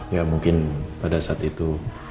ya mungkin pada saat itu